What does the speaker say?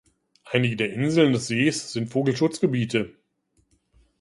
Einige der Inseln des Sees sind Vogelschutzgebiete.